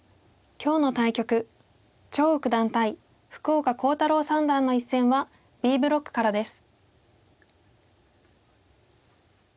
今日の対局張栩九段対福岡航太朗三段の一戦はＢブロックからです。